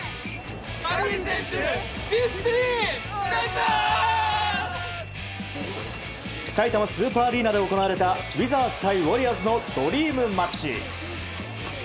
さいたまスーパーアリーナーで行われたウィザーズ対ウォリアーズのドリームマッチ。